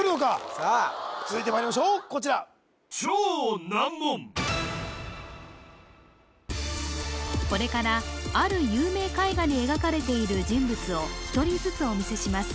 さあ続いてまいりましょうこちらこれからある有名絵画に描かれている人物を１人ずつお見せします